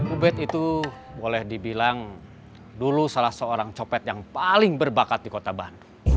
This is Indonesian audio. ubed itu boleh dibilang dulu salah seorang copet yang paling berbakat di kota ban